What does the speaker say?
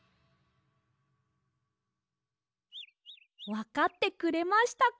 わかってくれましたか？